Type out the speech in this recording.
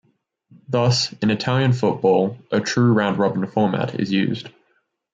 Thus, in Italian football a true round-robin format is used.